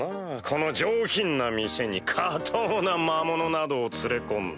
この上品な店に下等な魔物などを連れ込んでは。